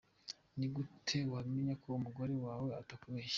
Ni gute wamenya ko umugore wawe atakubeshya.